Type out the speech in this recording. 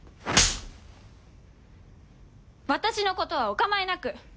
私の事はお構いなく。